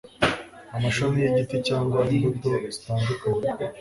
amashami y'igiti cyangwa imbuto zitandukanye